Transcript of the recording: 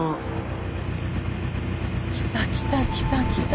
来た来た来た来た。